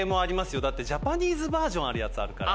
よだってジャパニーズバージョンあるやつあるから。